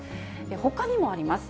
ほかにもあります。